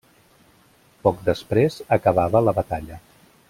Poc després acabava la batalla.